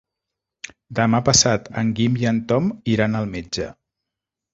Demà passat en Guim i en Tom iran al metge.